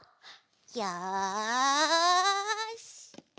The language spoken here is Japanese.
よし！